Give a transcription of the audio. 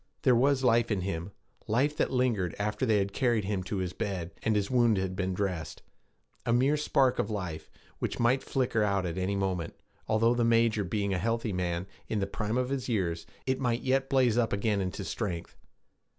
There was life in him life that lingered after they had carried him to his bed and his wound had been dressed; a mere spark of life, which might flicker out at any moment, although, the major being a healthy man, in the prime of years, it might yet blaze up again into strength.